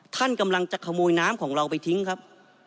ท่านกำลังจะขโมยน้ำของเราไปทิ้งครับ